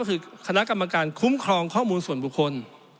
ก็คือคณะกรรมการคุ้มครองข้อมูลส่วนบุคคล